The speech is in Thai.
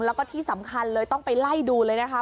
แล้วก็ที่สำคัญเลยต้องไปไล่ดูเลยนะคะ